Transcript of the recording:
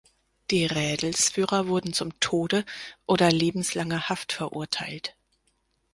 Die Rädelsführer wurden zum Tode oder lebenslanger Haft verurteilt.